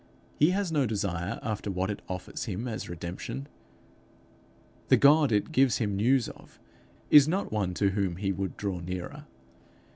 He has no desire after what it offers him as redemption. The God it gives him news of, is not one to whom he would draw nearer.